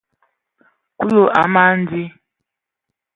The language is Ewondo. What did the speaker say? Kulu a mana di.